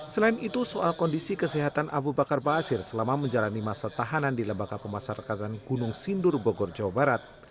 selain itu soal kondisi kesehatan abu bakar ba'asir selama menjalani masa tahanan di lebaka pemasarkan gunung sindur bogor jawa barat